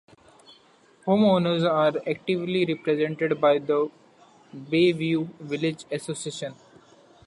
Homeowners are actively represented by the Bayview Village Association.